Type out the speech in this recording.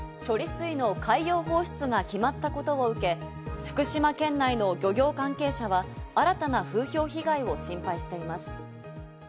処理水の海洋放出が決まったことを受け、福島県内の漁業関係者は新たな風評被害を心配しています。